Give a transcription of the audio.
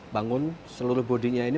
bangun seluruh bodinya ini